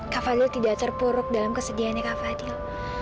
kak fadil tidak terpuruk dalam kesedihannya kak fadil